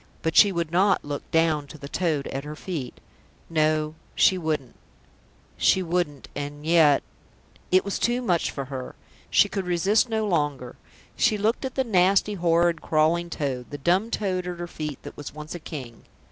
. but she would not look down to the toad at her feet. No, she wouldn't. ... She wouldn't. ... And yet It was too much for her. She could resist no longer. She looked at the nasty, horrid, crawling toad, the dumb toad at her feet that was once a King.